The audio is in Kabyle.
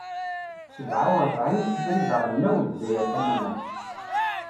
Sebɛa uṛebɛin, Abrid aɣelnaw, Lezzayer tamanaɣt.